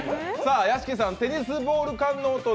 屋敷さん、テニスボール缶の音